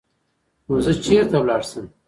نو زۀ چرته لاړ شم ـ